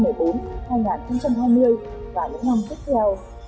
hai nghìn hai mươi và những năm tiếp theo